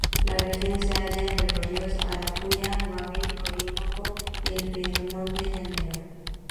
La región se halla entre los ríos Arauca, Guaviare, Orinoco y el Piedemonte llanero.